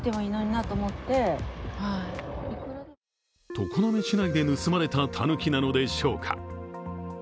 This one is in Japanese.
常滑市内で盗まれたたぬきなのでしょうか。